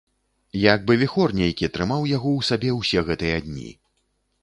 Як бы віхор нейкі трымаў яго ў сабе ўсе гэтыя дні.